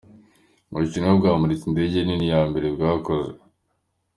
Ubushinwa bwamuritse indege nini ya mbere bwakoze.